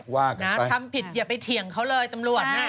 ว่ากันทำผิดอย่าไปเถียงเขาเลยตำรวจน่ะ